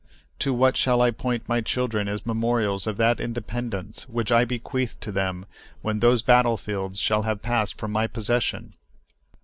To what shall I point my children as memorials of that independence which I bequeath to them when those battle fields shall have passed from my possession?"